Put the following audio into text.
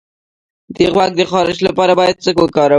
د غوږ د خارش لپاره باید څه وکاروم؟